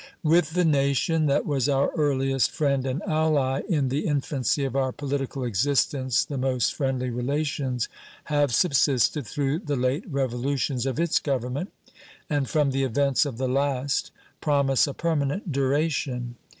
With the nation that was our earliest friend and ally in the infancy of our political existence the most friendly relations have subsisted through the late revolutions of its Government, and, from the events of the last, promise a permanent duration.